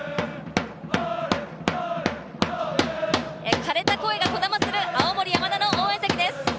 枯れた声がこだまする青森山田の応援席です。